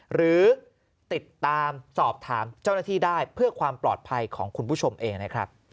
หรือติดตามสอบถามเจ้าหน้าที่ได้เพื่อความปลอดภัยของคุณผู้ชมเองนะครับ